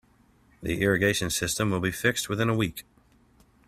The irrigation system will be fixed within a week.